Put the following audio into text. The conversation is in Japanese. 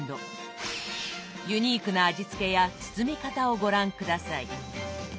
ユニークな味つけや包み方をご覧下さい。